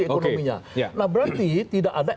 ekonominya nah berarti tidak ada